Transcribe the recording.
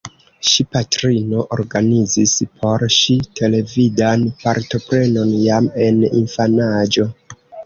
Ŝi patrino organizis por ŝi televidan partoprenon jam en infanaĝo.